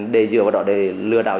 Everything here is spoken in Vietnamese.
để dừa vào đó để lừa đảo